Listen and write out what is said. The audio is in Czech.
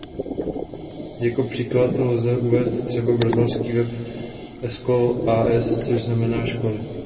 Jako příklad lze uvést třeba brazilský web "escol.as" což znamená „školy“.